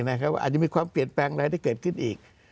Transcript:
เพราะว่าอาจจะมีความเปลี่ยนแปลงอะไรได้เกิดขึ้นอีก